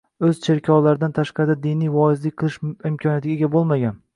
o‘z cherkovlaridan tashqarida diniy voizlik qilish imkoniyatiga ega bo‘lmagan